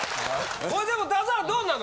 ・これでも田津原どうなの？